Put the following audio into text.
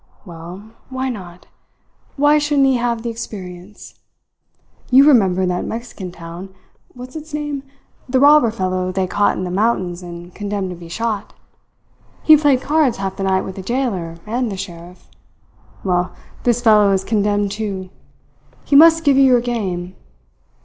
"Well, why not? Why shouldn't he have the experience? You remember in that Mexican town what's its name? the robber fellow they caught in the mountains and condemned to be shot? He played cards half the night with the jailer and the sheriff. Well, this fellow is condemned, too. He must give you your game.